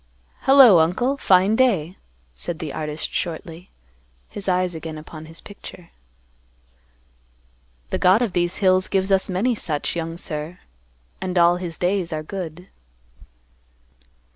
"Hello, uncle. Fine day," said the artist shortly, his eyes again upon his picture. "The God of these hills gives us many such, young sir, and all His days are good."